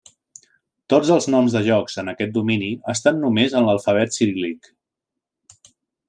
Tots els noms de llocs en aquest domini estan només en l'alfabet ciríl·lic.